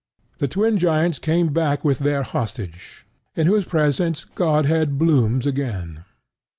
The twin giants come back with their hostage, in whose presence Godhead blooms again.